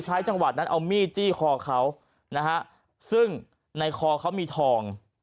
จังหวะนั้นเอามีดจี้คอเขานะฮะซึ่งในคอเขามีทอง